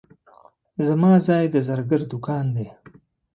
زما ځای د زرګر دوکان دی.